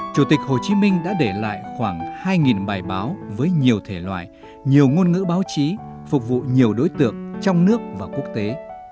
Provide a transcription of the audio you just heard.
chủ tịch hồ chí minh đã để lại khoảng hai bài báo với nhiều thể loại nhiều ngôn ngữ báo chí phục vụ nhiều đối tượng trong nước và quốc tế